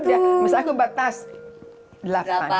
misalnya aku batas delapan